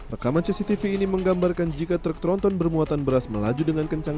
rekaman cctv ini menggambarkan jika truk tronton bermuatan beras melaju dengan kencang